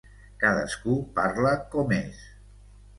Cadascú parla com és.